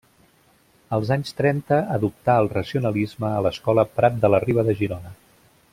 Els anys trenta adoptà el racionalisme a l’escola Prat de la Riba de Girona.